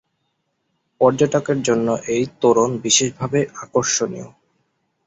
পর্যটকের জন্য এই তোরণ বিশেষভাবে আকর্ষণীয়।